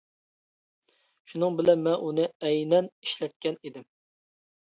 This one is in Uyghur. شۇنىڭ بىلەن مەن ئۇنى ئەينەن ئىشلەتكەن ئىدىم.